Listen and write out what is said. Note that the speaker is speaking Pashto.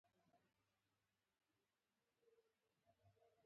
د جوارو یوه ځانګړنه دا ده چې په ډېره ښه توګه ذخیره کېږي